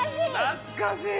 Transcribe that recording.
懐かしい！